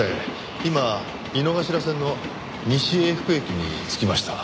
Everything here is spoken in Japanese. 今井の頭線の西永福駅に着きました。